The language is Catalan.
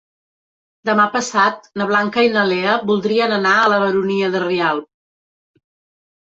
Demà passat na Blanca i na Lea voldrien anar a la Baronia de Rialb.